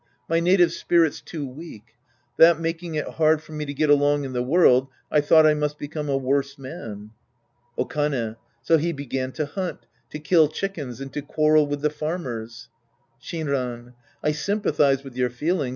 My native spirit's too weak. That making it hard for me to get along in the world, I thought I must become a worse man. Okane. So he began to hunt, to kill chickens and to quarrel with the farmers. Shinran. I sympathize with your feelings.